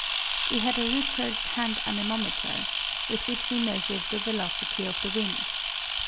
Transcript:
We had a "Richards" hand anemometer with which we measured the velocity of the wind.